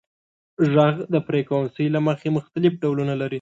• ږغ د فریکونسۍ له مخې مختلف ډولونه لري.